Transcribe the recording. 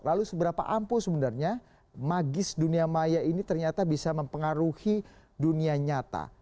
lalu seberapa ampuh sebenarnya magis dunia maya ini ternyata bisa mempengaruhi dunia nyata